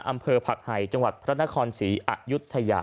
อำเภอผักไห่จังหวัดพระนครศรีอายุทยา